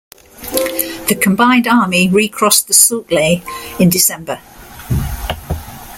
The combined army recrossed the Sutlej in December.